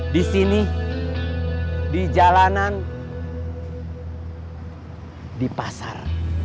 di sini di jalanan di pasar